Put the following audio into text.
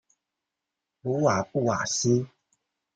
鲁瓦布瓦西。